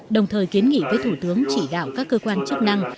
đồng thời kiến nghị với thủ tướng chỉ đạo các cơ quan chức năng